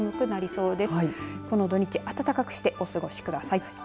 この土日暖かくしてお過ごしください。